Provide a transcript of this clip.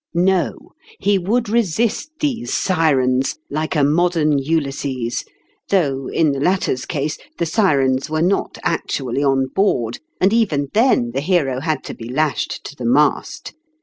No, he would resist these Sirens, like a modern Ulysses ; though, in the latter's case, the Sirens were not actually on board, and, even then, the hero had to be lashed to the mast.